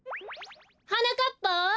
はなかっぱ？